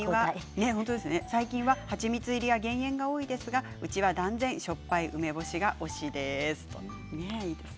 最近は蜂蜜や減塩が多いですがうちは断然しょっぱい梅干しが推しです。